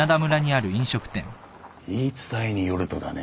言い伝えによるとだね